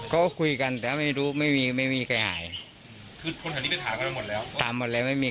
ก็เลยเข้าไปคุยไปถามแล้วก็ขอถ่ายพาสบอร์ตเอาไว้หน่อย